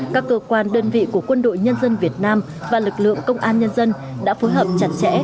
các cơ quan đơn vị của quân đội nhân dân việt nam và lực lượng công an nhân dân đã phối hợp chặt chẽ